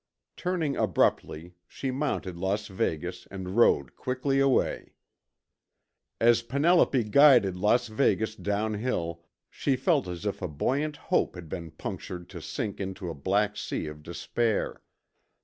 Turning abruptly, she mounted Las Vegas and rode quickly away. As Penelope guided Las Vegas downhill she felt as if a buoyant hope had been punctured to sink into a black sea of despair.